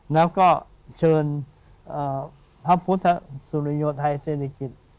แล้วก็เชิญพระพุทธสุริโยไทยเศรษฐกิจ